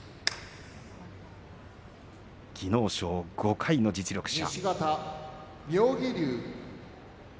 技能賞５回の実力者。